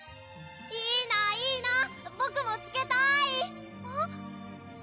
いいないいなボクもつけたい！